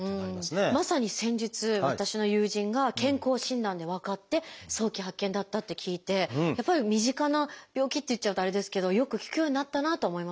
まさに先日私の友人が健康診断で分かって早期発見だったって聞いてやっぱり身近な病気って言っちゃうとあれですけどよく聞くようになったなとは思いますね。